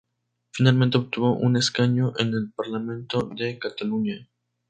Finalmente obtuvo un escaño en el Parlamento de Cataluña.